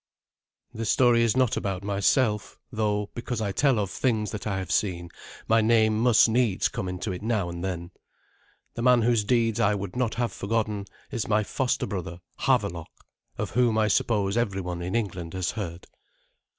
This story is not about myself, though, because I tell of things that I have seen, my name must needs come into it now and then. The man whose deeds I would not have forgotten is my foster brother, Havelok, of whom I suppose every one in England has heard.